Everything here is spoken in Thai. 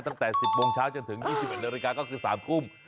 ตั้งแต่๑๐โมงเช้าจนถึง๒๑นาฬิกาก็คือ๓ทุ่ม